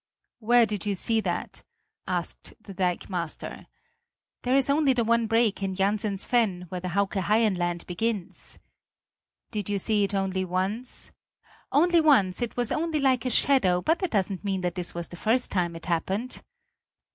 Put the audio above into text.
"Where did you see that?" asked the dikemaster. "There is only the one break; in Jansen's fen, where the Hauke Haienland begins." "Did you see it only once?" "Only once; it was only like a shadow, but that doesn't mean that this was the first time it happened."